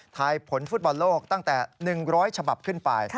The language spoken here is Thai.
ถ่ายผลฟุตบอลโลกตั้งแต่๑๐๐ฉบับขึ้นไป